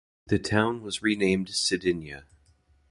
The town was renamed Cedynia.